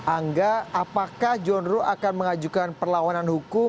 angga apakah john ruh akan mengajukan perlawanan hukum